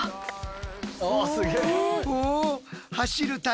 おすげえ。